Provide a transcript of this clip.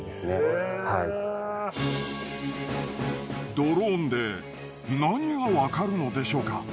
ドローンで何がわかるのでしょうか？